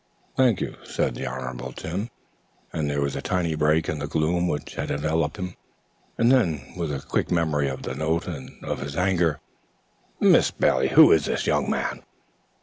"Thank you," said the Honorable Tim, and there was a tiny break in the gloom which had enveloped him. And then, with a quick memory of the note and of his anger: "Miss Bailey, who is this young man?"